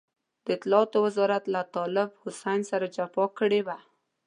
د اطلاعاتو وزارت له طالب حسين سره جفا کړې وه.